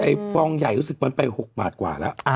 ฟองใหญ่รู้สึกมันไป๖บาทกว่าแล้ว